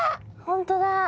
本当だ。